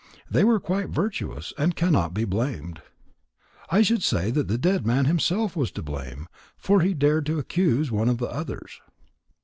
They were quite virtuous, and cannot be blamed. I should say that the dead man himself was to blame, for he dared to accuse one of the others."